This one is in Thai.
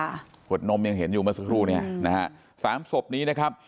ขวดนมยังเห็นอยู่เมื่อสักครู่เนี้ยนะฮะสามศพนี้นะครับ